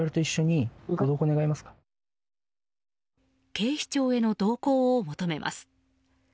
警視庁への同行を求めます。